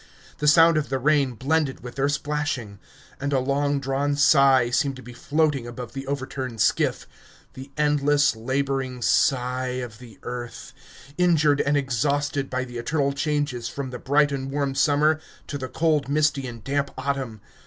The sound of the rain blended with their splashing, and a long drawn sigh seemed to be floating above the overturned skiff the endless, labouring sigh of the earth, injured and exhausted by the eternal changes from the bright and warm summer to the cold misty and damp autumn.